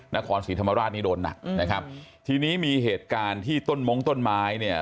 นครศรีธรรมราชนี่โดนหนักนะครับทีนี้มีเหตุการณ์ที่ต้นมงต้นไม้เนี่ย